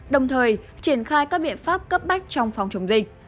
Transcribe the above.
đồng thời triển khai các biện pháp cấp bách trong phòng chống dịch